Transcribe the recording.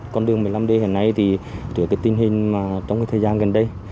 con đường một mươi năm d hiện nay thì từ cái tình hình trong cái thời gian gần đây